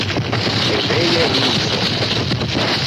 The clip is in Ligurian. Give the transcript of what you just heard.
E veie en insce.